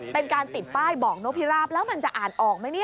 เป็นการติดป้ายบอกนกพิราบแล้วมันจะอ่านออกไหมเนี่ย